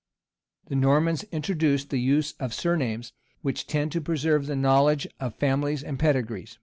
The Normans introduced the use of surnames, which tend to preserve the knowledge of families and pedigrees.